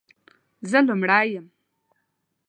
زه لومړۍ یم،